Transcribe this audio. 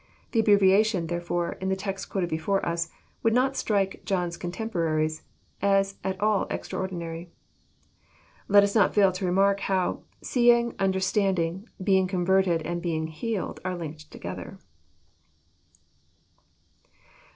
The abbrevi ation, therefore, in the text quoted before us, would not strike John's cotemporaries as at all extraordinary. Let us not fail to remark how " seeing, understanding, being converted, and being healed," are linked together.